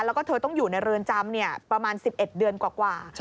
แล้วก็เธอต้องอยู่ในเรือนจำประมาณ๑๑เดือนกว่า